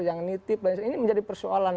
yang nitip ini menjadi persoalan